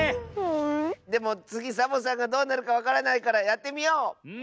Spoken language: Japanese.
でもつぎサボさんがどうなるかわからないからやってみよう！